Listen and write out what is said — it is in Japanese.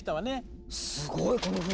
すごいこの船！